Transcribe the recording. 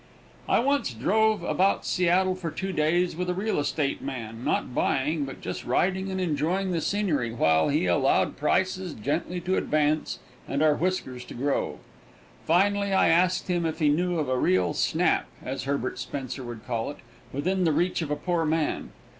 I once drove about Seattle for two days with a real estate man, not buying, but just riding and enjoying the scenery while we allowed prices gently to advance and our whiskers to grow. Finally I asked him if he knew of a real "snap," as Herbert Spencer would call it, within the reach of a poor man.